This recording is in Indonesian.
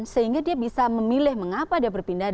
sehingga dia bisa memilih mengapa dia berpilih a ke b